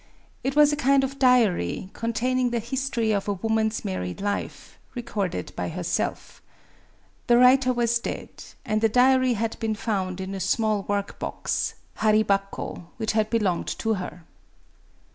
It was a kind of diary, con taining the history of a woman's married life, recorded by herself The writer was dead ; and the diary had been found in a small work box {bari bako) which had belonged to her.